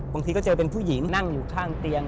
บางทีก็เจอเป็นผู้หญิงนั่งอยู่ข้างเตียง